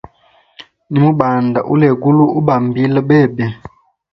Nimubanda egulu, ubambila bebe.